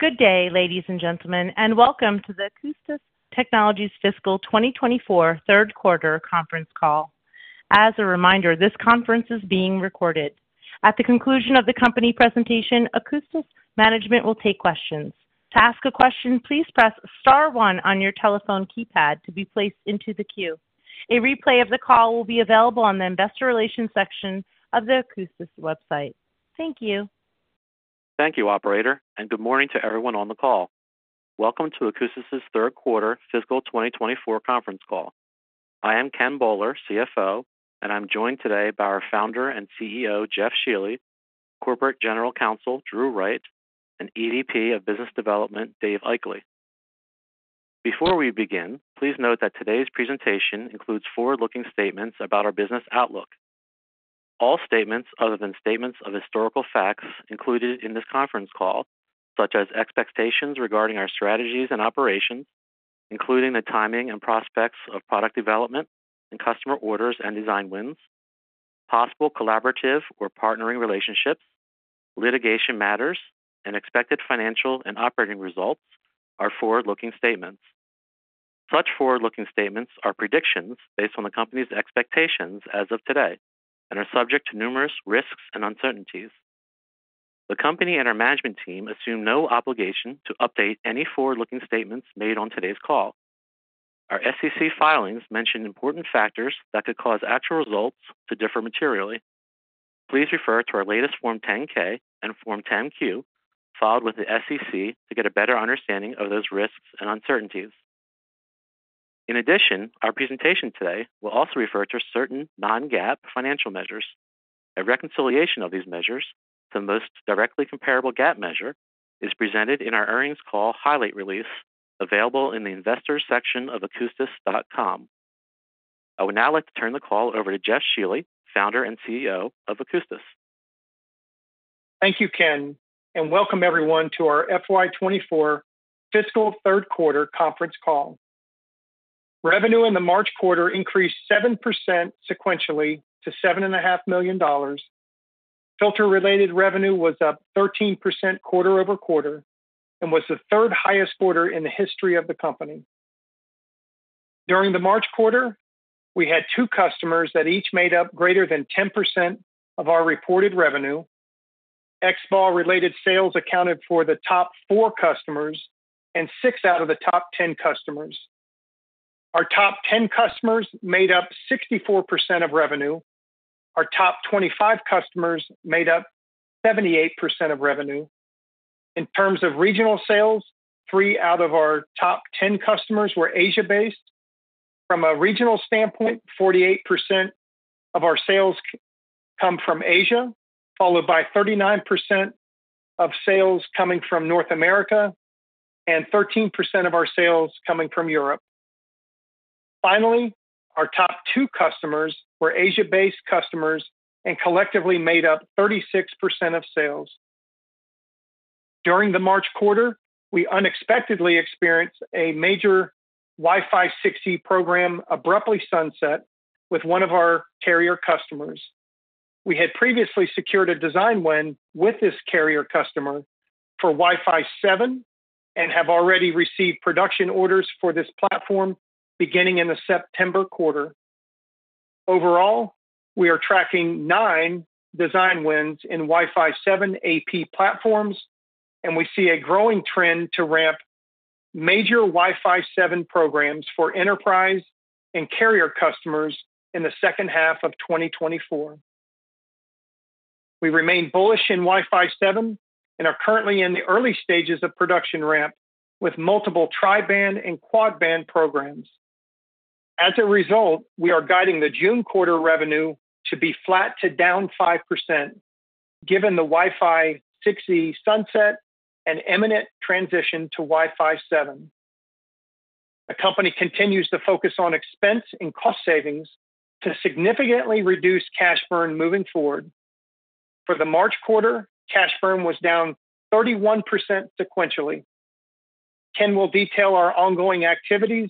Good day, ladies and gentlemen, and welcome to the Akoustis Technologies fiscal 2024 third quarter conference call. As a reminder, this conference is being recorded. At the conclusion of the company presentation, Akoustis management will take questions. To ask a question, please press star 1 on your telephone keypad to be placed into the queue. A replay of the call will be available on the Investor Relations section of the Akoustis website. Thank you. Thank you, operator, and good morning to everyone on the call. Welcome to Akoustis's third quarter fiscal 2024 conference call. I am Ken Boller, CFO, and I'm joined today by our founder and CEO Jeff Shealy, Corporate General Counsel Drew Wright, and EVP of Business Development Dave Aichele. Before we begin, please note that today's presentation includes forward-looking statements about our business outlook. All statements other than statements of historical facts included in this conference call, such as expectations regarding our strategies and operations, including the timing and prospects of product development and customer orders and design wins, possible collaborative or partnering relationships, litigation matters, and expected financial and operating results, are forward-looking statements. Such forward-looking statements are predictions based on the company's expectations as of today and are subject to numerous risks and uncertainties. The company and our management team assume no obligation to update any forward-looking statements made on today's call. Our SEC filings mention important factors that could cause actual results to differ materially. Please refer to our latest Form 10-K and Form 10-Q filed with the SEC to get a better understanding of those risks and uncertainties. In addition, our presentation today will also refer to certain non-GAAP financial measures. A reconciliation of these measures to the most directly comparable GAAP measure is presented in our earnings call highlight release available in the investors section of akoustis.com. I would now like to turn the call over to Jeff Shealy, founder and CEO of Akoustis. Thank you, Ken, and welcome everyone to our FY 2024 fiscal third quarter conference call. Revenue in the March quarter increased 7% sequentially to $7.5 million. Filter-related revenue was up 13% quarter-over-quarter and was the third highest quarter in the history of the company. During the March quarter, we had two customers that each made up greater than 10% of our reported revenue. XBAW-related sales accounted for the top four customers and six out of the top 10 customers. Our top 10 customers made up 64% of revenue. Our top 25 customers made up 78% of revenue. In terms of regional sales, three out of our top 10 customers were Asia-based. From a regional standpoint, 48% of our sales come from Asia, followed by 39% of sales coming from North America and 13% of our sales coming from Europe. Finally, our top 2 customers were Asia-based customers and collectively made up 36% of sales. During the March quarter, we unexpectedly experienced a major Wi-Fi 6E program abruptly sunset with one of our carrier customers. We had previously secured a design win with this carrier customer for Wi-Fi 7 and have already received production orders for this platform beginning in the September quarter. Overall, we are tracking 9 design wins in Wi-Fi 7 AP platforms, and we see a growing trend to ramp major Wi-Fi 7 programs for enterprise and carrier customers in the second half of 2024. We remain bullish in Wi-Fi 7 and are currently in the early stages of production ramp with multiple tri-band and quad-band programs. As a result, we are guiding the June quarter revenue to be flat to down 5% given the Wi-Fi 6E sunset and imminent transition to Wi-Fi 7. The company continues to focus on expense and cost savings to significantly reduce cash burn moving forward. For the March quarter, cash burn was down 31% sequentially. Ken will detail our ongoing activities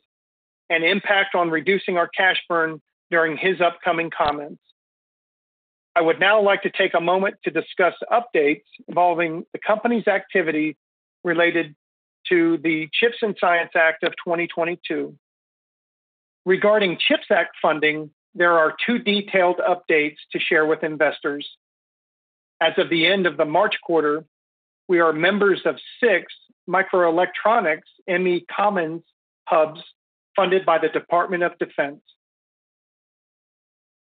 and impact on reducing our cash burn during his upcoming comments. I would now like to take a moment to discuss updates involving the company's activity related to the CHIPS and Science Act of 2022. Regarding CHIPS Act funding, there are 2 detailed updates to share with investors. As of the end of the March quarter, we are members of six microelectronics ME Commons hubs funded by the Department of Defense.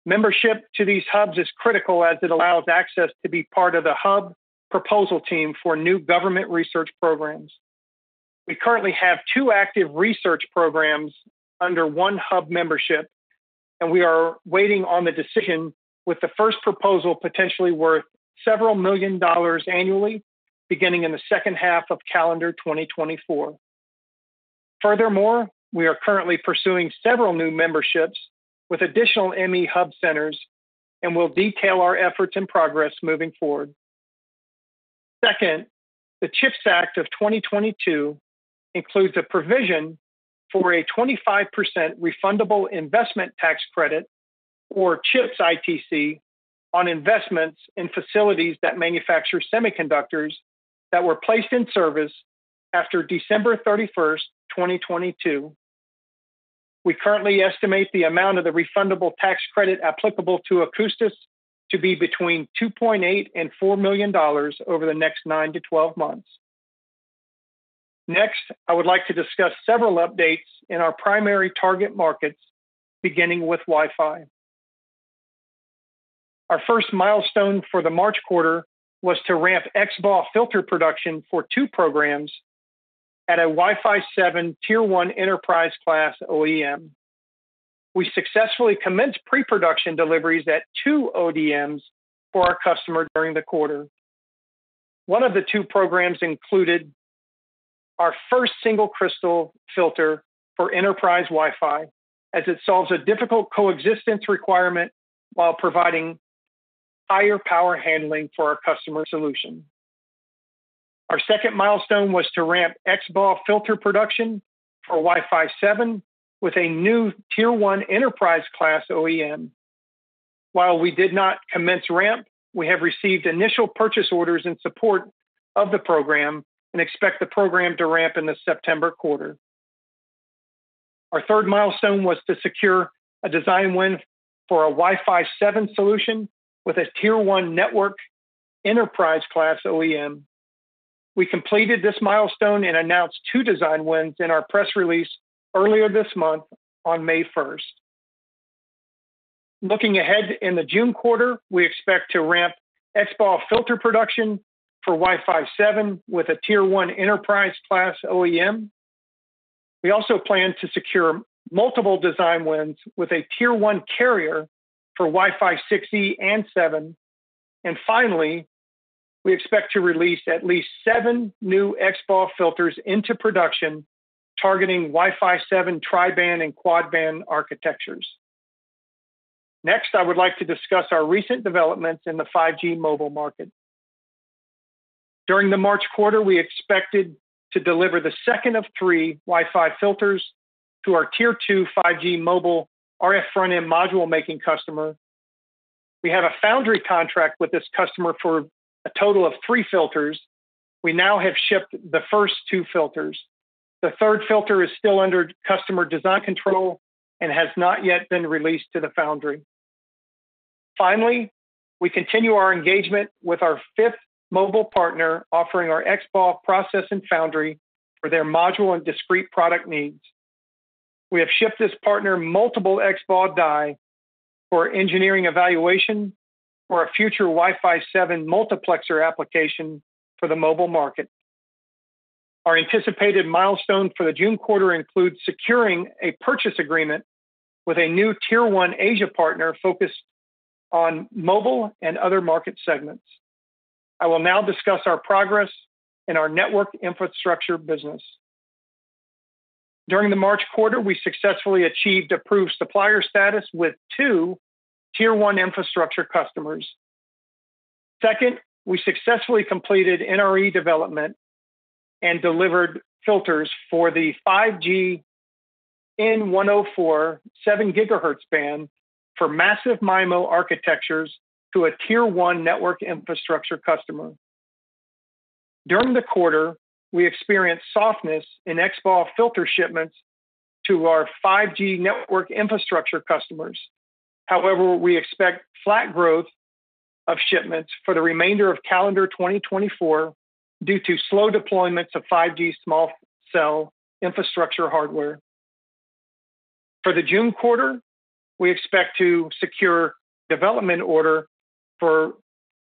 Membership to these hubs is critical as it allows access to be part of the hub proposal team for new government research programs. We currently have two active research programs under one hub membership, and we are waiting on the decision with the first proposal potentially worth several million dollars annually beginning in the second half of calendar 2024. Furthermore, we are currently pursuing several new memberships with additional ME hub centers and will detail our efforts and progress moving forward. Second, the CHIPS Act of 2022 includes a provision for a 25% refundable investment tax credit, or CHIPS ITC, on investments in facilities that manufacture semiconductors that were placed in service after December 31st, 2022. We currently estimate the amount of the refundable tax credit applicable to Akoustis to be between $2.8 million-$4 million over the next 9-12 months. Next, I would like to discuss several updates in our primary target markets beginning with Wi-Fi. Our first milestone for the March quarter was to ramp XBAW filter production for two programs at a Wi-Fi 7 Tier-1 enterprise class OEM. We successfully commenced pre-production deliveries at two ODMs for our customer during the quarter. One of the two programs included our first single crystal filter for enterprise Wi-Fi as it solves a difficult coexistence requirement while providing higher power handling for our customer solution. Our second milestone was to ramp XBAW filter production for Wi-Fi 7 with a new Tier-1 enterprise class OEM. While we did not commence ramp, we have received initial purchase orders and support of the program and expect the program to ramp in the September quarter. Our third milestone was to secure a design win for a Wi-Fi 7 solution with a Tier-1 network enterprise class OEM. We completed this milestone and announced two design wins in our press release earlier this month on May 1st. Looking ahead in the June quarter, we expect to ramp XBAW filter production for Wi-Fi 7 with a Tier-1 enterprise class OEM. We also plan to secure multiple design wins with a Tier-1 carrier for Wi-Fi 6E and 7. And finally, we expect to release at least seven new XBAW filters into production targeting Wi-Fi 7 tri-band and quad-band architectures. Next, I would like to discuss our recent developments in the 5G mobile market. During the March quarter, we expected to deliver the second of three Wi-Fi filters to our tier-2 5G mobile RF front end module making customer. We have a foundry contract with this customer for a total of three filters. We now have shipped the first two filters. The third filter is still under customer design control and has not yet been released to the foundry. Finally, we continue our engagement with our fifth mobile partner offering our XBAW process and foundry for their module and discrete product needs. We have shipped this partner multiple XBAW die for engineering evaluation for a future Wi-Fi 7 multiplexer application for the mobile market. Our anticipated milestone for the June quarter includes securing a purchase agreement with a new Tier-1 Asia partner focused on mobile and other market segments. I will now discuss our progress in our network infrastructure business. During the March quarter, we successfully achieved approved supplier status with two Tier-1 infrastructure customers. Second, we successfully completed NRE development and delivered filters for the 5G n104 7 GHz band for massive MIMO architectures to a Tier-1 network infrastructure customer. During the quarter, we experienced softness in XBAW filter shipments to our 5G network infrastructure customers. However, we expect flat growth of shipments for the remainder of calendar 2024 due to slow deployments of 5G small cell infrastructure hardware. For the June quarter, we expect to secure development order for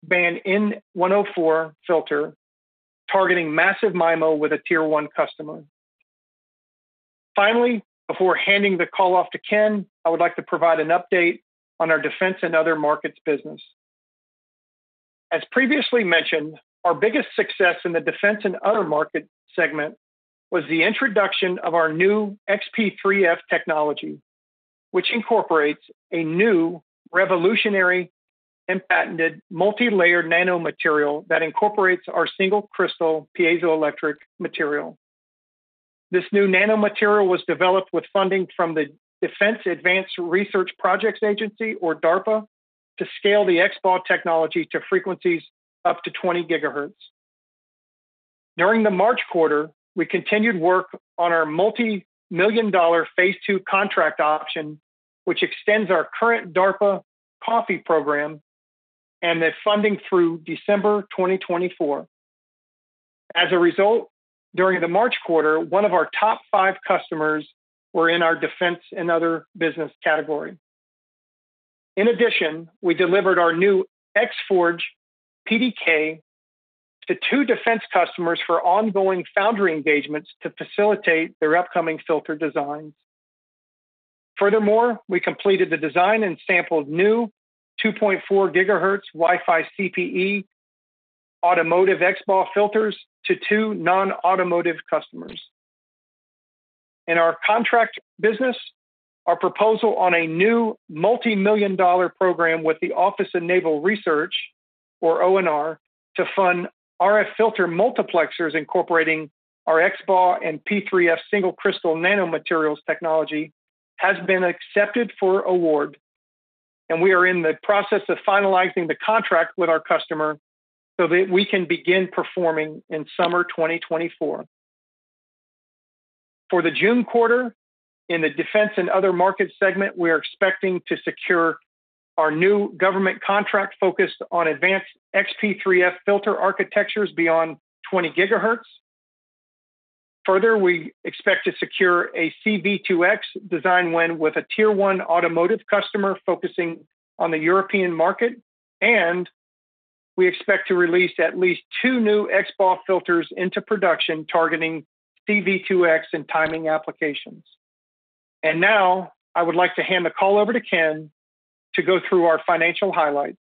band n104 filter targeting massive MIMO with a Tier-1 customer. Finally, before handing the call off to Ken, I would like to provide an update on our Defense and Other markets business. As previously mentioned, our biggest success in the Defense and Other market segment was the introduction of our new XP3F technology, which incorporates a new revolutionary and patented multi-layered nanomaterial that incorporates our single crystal piezoelectric material. This new nanomaterial was developed with funding from the Defense Advanced Research Projects Agency, or DARPA, to scale the XBAW technology to frequencies up to 20 GHz. During the March quarter, we continued work on our multi-million-dollar Phase 2 contract option, which extends our current DARPA COFFEE program and the funding through December 2024. As a result, during the March quarter, one of our top 5 customers were in our Defense and Other business category. In addition, we delivered our new XForge PDK to two defense customers for ongoing foundry engagements to facilitate their upcoming filter designs. Furthermore, we completed the design and sampled new 2.4 GHz Wi-Fi CPE/Automotive XBAW filters to 2 non-Automotive Customers. In our contract business, our proposal on a new multi-million-dollar program with the Office of Naval Research, or ONR, to fund RF filter multiplexers incorporating our XBAW and XP3F single crystal nanomaterials technology has been accepted for award, and we are in the process of finalizing the contract with our customer so that we can begin performing in summer 2024. For the June quarter, in the Defense and Other market segment, we are expecting to secure our new government contract focused on advanced XP3F filter architectures beyond 20 GHz. Further, we expect to secure a C-V2X design win with a Tier-1 Automotive Customer focusing on the European market, and we expect to release at least two new XBAW filters into production targeting C-V2X and timing applications. And now I would like to hand the call over to Ken to go through our financial highlights.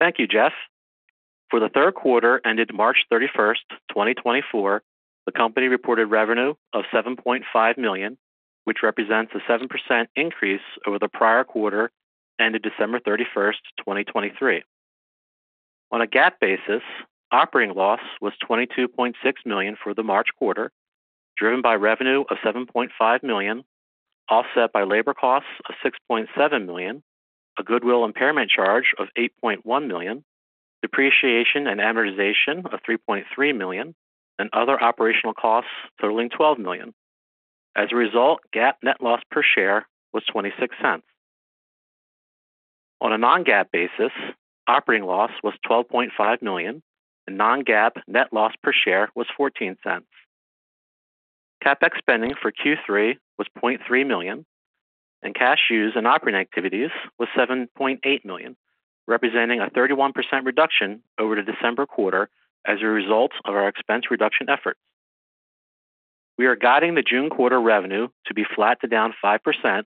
Thank you, Jeff. For the third quarter ended March 31st, 2024, the company reported revenue of $7.5 million, which represents a 7% increase over the prior quarter ended December 31st, 2023. On a GAAP basis, operating loss was $22.6 million for the March quarter, driven by revenue of $7.5 million, offset by labor costs of $6.7 million, a goodwill impairment charge of $8.1 million, depreciation and amortization of $3.3 million, and other operational costs totaling $12 million. As a result, GAAP net loss per share was $0.26. On a non-GAAP basis, operating loss was $12.5 million, and non-GAAP net loss per share was $0.14. CapEx spending for Q3 was $0.3 million, and cash used in operating activities was $7.8 million, representing a 31% reduction over the December quarter as a result of our expense reduction efforts. We are guiding the June quarter revenue to be flat to down 5%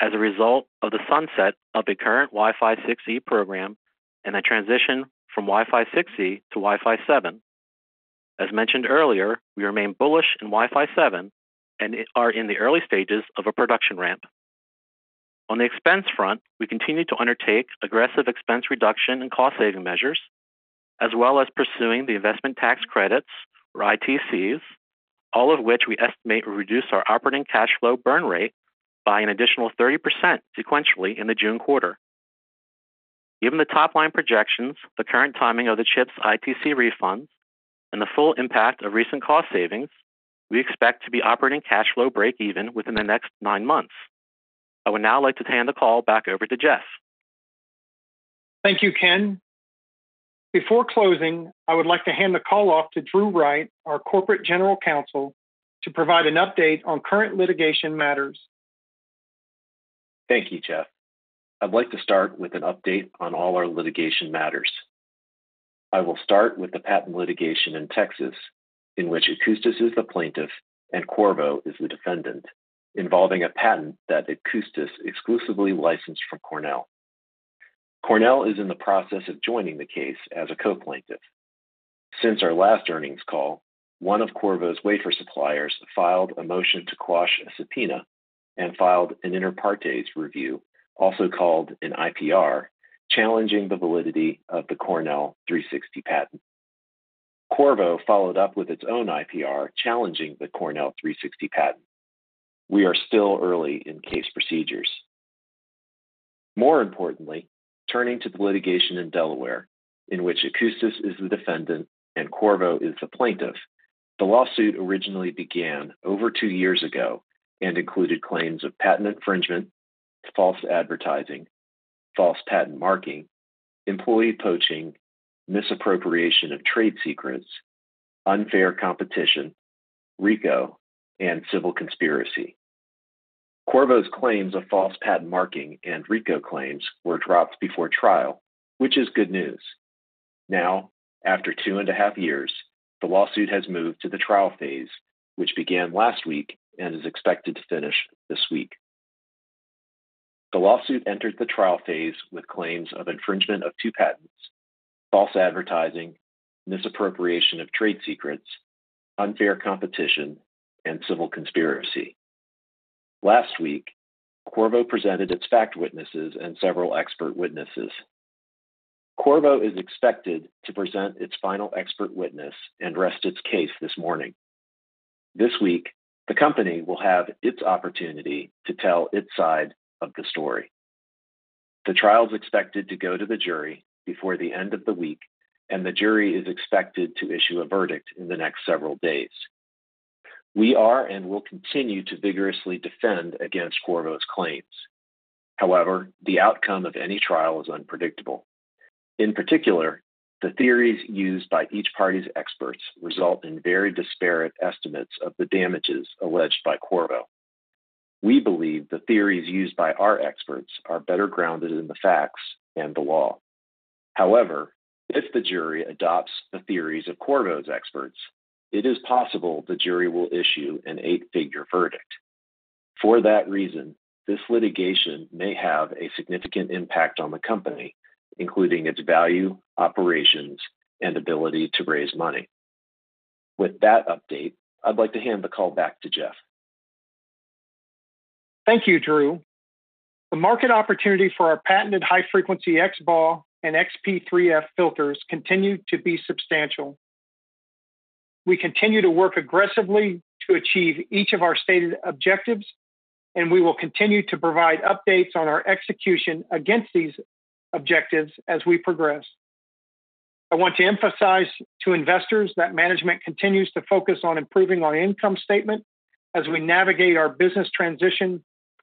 as a result of the sunset of the current Wi-Fi 6E program and the transition from Wi-Fi 6E to Wi-Fi 7. As mentioned earlier, we remain bullish in Wi-Fi 7 and are in the early stages of a production ramp. On the expense front, we continue to undertake aggressive expense reduction and cost saving measures, as well as pursuing the investment tax credits, or ITCs, all of which we estimate reduce our operating cash flow burn rate by an additional 30% sequentially in the June quarter. Given the top line projections, the current timing of the CHIPS ITC refunds, and the full impact of recent cost savings, we expect to be operating cash flow break even within the next nine months. I would now like to hand the call back over to Jeff. Thank you, Ken. Before closing, I would like to hand the call off to Drew Wright, our Corporate General Counsel, to provide an update on current litigation matters. Thank you, Jeff. I'd like to start with an update on all our litigation matters. I will start with the patent litigation in Texas, in which Akoustis is the plaintiff and Qorvo is the defendant, involving a patent that Akoustis exclusively licensed from Cornell University. Cornell University is in the process of joining the case as a co-plaintiff. Since our last earnings call, one of Qorvo's wafer suppliers filed a motion to quash a subpoena and filed an inter partes review, also called an IPR, challenging the validity of the Cornell 360 patent. Qorvo followed up with its own IPR challenging the Cornell 360 patent. We are still early in case procedures. More importantly, turning to the litigation in Delaware, in which Akoustis is the defendant and Qorvo is the plaintiff, the lawsuit originally began over 2 years ago and included claims of patent infringement, false advertising, false patent marking, employee poaching, misappropriation of trade secrets, unfair competition, RICO, and civil conspiracy. Qorvo's claims of false patent marking and RICO claims were dropped before trial, which is good news. Now, after 2.5 years, the lawsuit has moved to the trial phase, which began last week and is expected to finish this week. The lawsuit entered the trial phase with claims of infringement of two patents, false advertising, misappropriation of trade secrets, unfair competition, and civil conspiracy. Last week, Qorvo presented its fact witnesses and several expert witnesses. Qorvo is expected to present its final expert witness and rest its case this morning. This week, the company will have its opportunity to tell its side of the story. The trial's expected to go to the jury before the end of the week, and the jury is expected to issue a verdict in the next several days. We are and will continue to vigorously defend against Qorvo's claims. However, the outcome of any trial is unpredictable. In particular, the theories used by each party's experts result in very disparate estimates of the damages alleged by Qorvo. We believe the theories used by our experts are better grounded in the facts and the law. However, if the jury adopts the theories of Qorvo's experts, it is possible the jury will issue an 8-figure verdict. For that reason, this litigation may have a significant impact on the company, including its value, operations, and ability to raise money. With that update, I'd like to hand the call back to Jeff. Thank you, Drew. The market opportunity for our patented high-frequency XBAW and XP3F filters continues to be substantial. We continue to work aggressively to achieve each of our stated objectives, and we will continue to provide updates on our execution against these objectives as we progress. I want to emphasize to investors that management continues to focus on improving our income statement as we navigate our business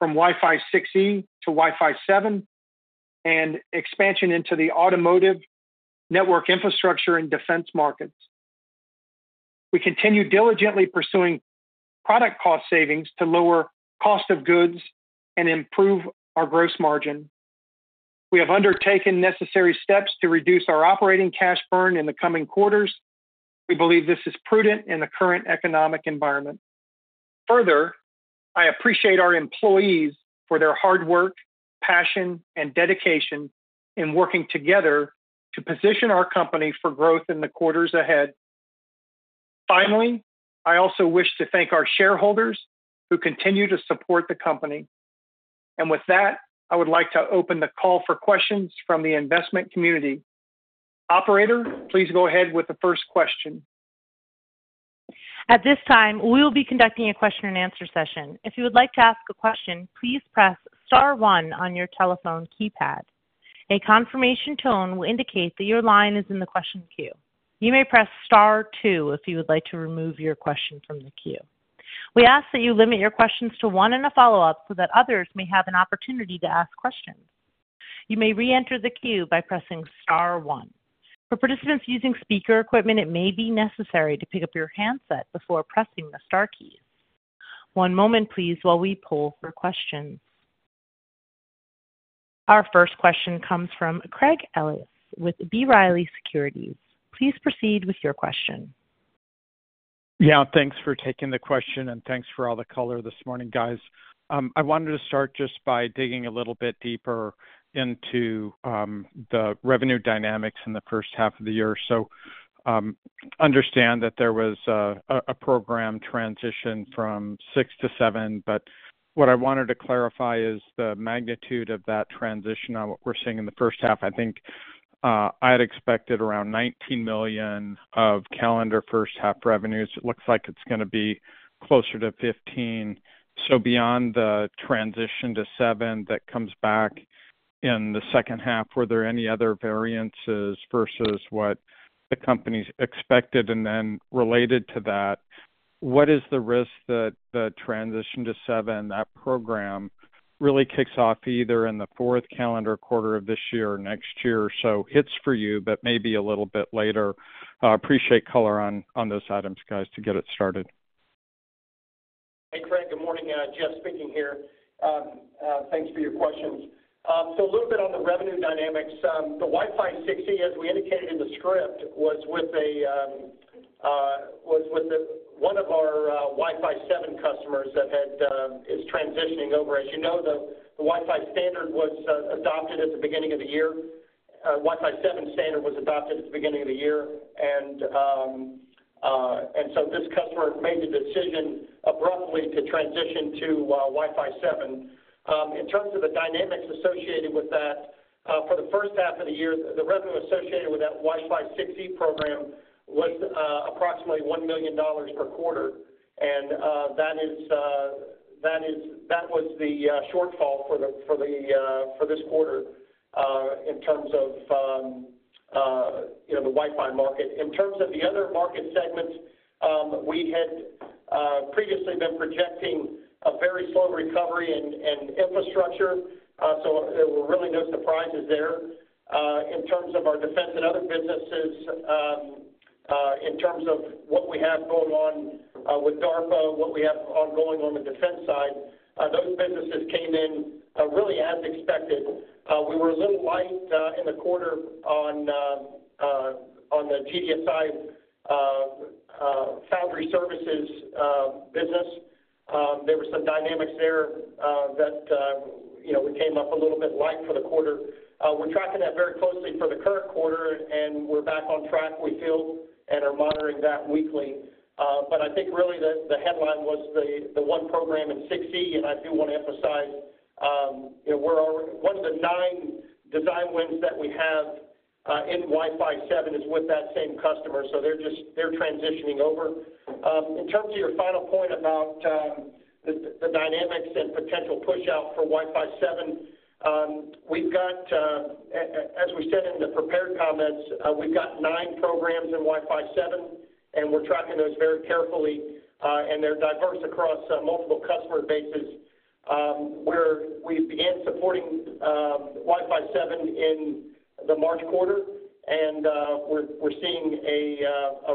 transition from Wi-Fi 6E to Wi-Fi 7 and expansion into the automotive network infrastructure and defense markets. We continue diligently pursuing product cost savings to lower cost of goods and improve our gross margin. We have undertaken necessary steps to reduce our operating cash burn in the coming quarters. We believe this is prudent in the current economic environment. Further, I appreciate our employees for their hard work, passion, and dedication in working together to position our company for growth in the quarters ahead. Finally, I also wish to thank our shareholders who continue to support the company. With that, I would like to open the call for questions from the investment community. Operator, please go ahead with the first question. At this time, we will be conducting a question and answer session. If you would like to ask a question, please press star one on your telephone keypad. A confirmation tone will indicate that your line is in the question queue. You may press star two if you would like to remove your question from the queue. We ask that you limit your questions to one and a follow-up so that others may have an opportunity to ask questions. You may re-enter the queue by pressing star one. For participants using speaker equipment, it may be necessary to pick up your handset before pressing the star key. One moment, please, while we poll for questions. Our first question comes from Craig Ellis with B. Riley Securities. Please proceed with your question. Yeah, thanks for taking the question, and thanks for all the color this morning, guys. I wanted to start just by digging a little bit deeper into the revenue dynamics in the first half of the year. So understand that there was a program transition from 6 to 7, but what I wanted to clarify is the magnitude of that transition. What we're seeing in the first half, I think I had expected around $19 million of calendar first half revenues. It looks like it's going to be closer to $15 million. So beyond the transition to 7 that comes back in the second half, were there any other variances versus what the company's expected? And then related to that, what is the risk that the transition to 7, that program, really kicks off either in the fourth calendar quarter of this year or next year? So it's for you, but maybe a little bit later. Appreciate color on those items, guys, to get it started. Hey, Craig. Good morning. Jeff speaking here. Thanks for your questions. So a little bit on the revenue dynamics. The Wi-Fi 6E, as we indicated in the script, was with one of our Wi-Fi 7 customers that is transitioning over. As you know, the Wi-Fi standard was adopted at the beginning of the year. Wi-Fi 7 standard was adopted at the beginning of the year, and so this customer made the decision abruptly to transition to Wi-Fi 7. In terms of the dynamics associated with that, for the first half of the year, the revenue associated with that Wi-Fi 6E program was approximately $1 million per quarter, and that was the shortfall for this quarter in terms of the Wi-Fi market. In terms of the other market segments, we had previously been projecting a very slow recovery in infrastructure, so there were really no surprises there. In terms of our Defense and Other businesses, in terms of what we have going on with DARPA, what we have ongoing on the defense side, those businesses came in really as expected. We were a little light in the quarter on the GDSI Foundry Services business. There were some dynamics there that we came up a little bit light for the quarter. We're tracking that very closely for the current quarter, and we're back on track, we feel, and are monitoring that weekly. But I think really the headline was the one program in Wi-Fi 6E, and I do want to emphasize one of the nine design wins that we have in Wi-Fi 7 is with that same customer, so they're transitioning over. In terms of your final point about the dynamics and potential pushout for Wi-Fi 7, we've got, as we said in the prepared comments, we've got nine programs in Wi-Fi 7, and we're tracking those very carefully, and they're diverse across multiple customer bases. We began supporting Wi-Fi 7 in the March quarter, and we're seeing a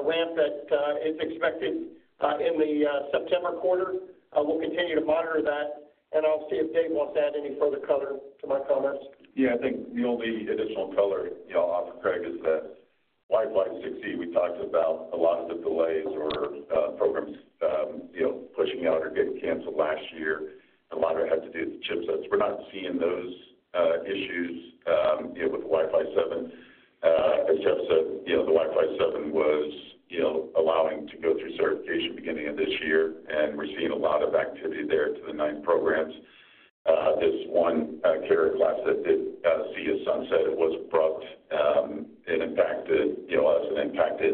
ramp that is expected in the September quarter. We'll continue to monitor that, and I'll see if Dave wants to add any further color to my comments. Yeah, I think the only additional color y'all offer, Craig, is that Wi-Fi 6E, we talked about a lot of the delays or programs pushing out or getting canceled last year. A lot of it had to do with the chipsets. We're not seeing those issues with the Wi-Fi 7. As Jeff said, the Wi-Fi 7 was allowing to go through certification beginning of this year, and we're seeing a lot of activity there to the nine programs. This one carrier class that did see a sunset, it was abrupt and impacted us and impacted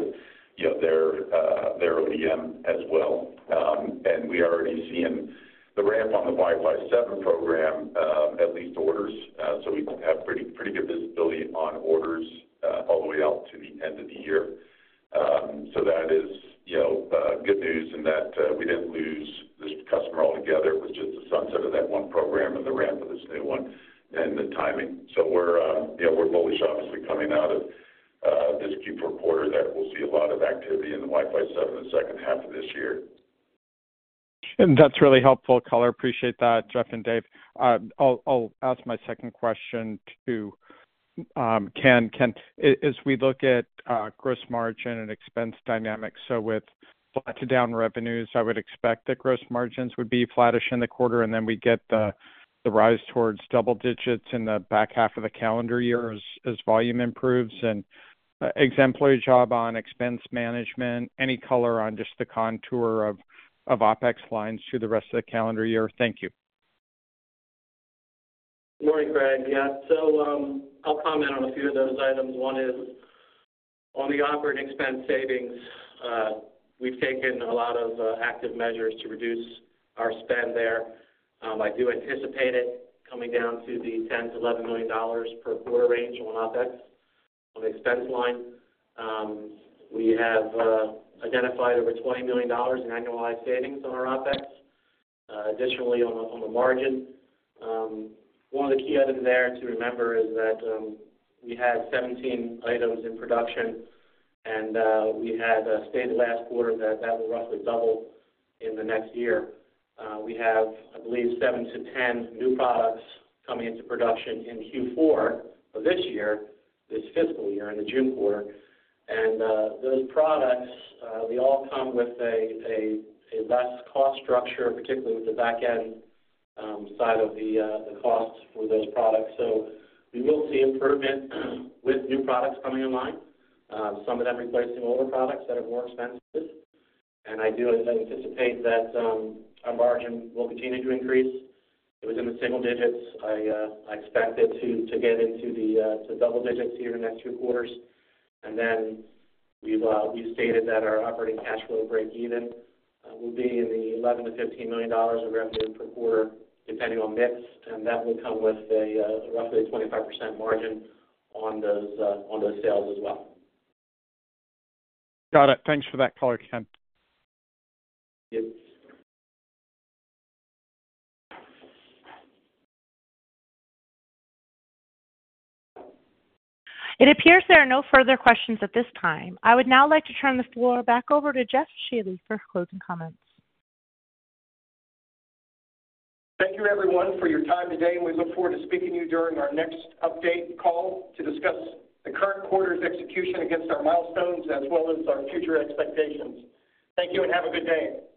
their ODM as well. And we are already seeing the ramp on the Wi-Fi 7 program, at least orders, so we have pretty good visibility on orders all the way out to the end of the year. So that is good news in that we didn't lose this customer altogether. It was just the sunset of that one program and the ramp of this new one and the timing. So we're bullish, obviously, coming out of this Q4 quarter that we'll see a lot of activity in the Wi-Fi 7 the second half of this year. That's really helpful color. Appreciate that, Jeff and Dave. I'll ask my second question to Ken. Ken, as we look at gross margin and expense dynamics, so with flat to down revenues, I would expect that gross margins would be flattish in the quarter, and then we get the rise towards double digits in the back half of the calendar year as volume improves. And on employee headcount and expense management, any color on just the contour of OpEx lines through the rest of the calendar year? Thank you. Morning, Craig. Yeah, so I'll comment on a few of those items. One is on the operating expense savings. We've taken a lot of active measures to reduce our spend there. I do anticipate it coming down to the $10 million-$11 million per quarter range on OpEx on the expense line. We have identified over $20 million in annualized savings on our OpEx. Additionally, on the margin, one of the key items there to remember is that we had 17 items in production, and we had stated last quarter that that will roughly double in the next year. We have, I believe, 7-10 new products coming into production in Q4 of this year, this fiscal year in the June quarter. And those products, they all come with a less cost structure, particularly with the back end side of the cost for those products. So we will see improvement with new products coming online, some of them replacing older products that are more expensive. I do anticipate that our margin will continue to increase. It was in the single digits. I expect it to get into the double digits here in the next few quarters. Then we've stated that our operating cash flow break-even will be in the $11 million-$15 million of revenue per quarter, depending on mix, and that will come with roughly a 25% margin on those sales as well. Got it. Thanks for that color, Ken. Yep. It appears there are no further questions at this time. I would now like to turn the floor back over to Jeff Shealy for closing comments. Thank you, everyone, for your time today, and we look forward to speaking to you during our next update call to discuss the current quarter's execution against our milestones as well as our future expectations. Thank you and have a good day.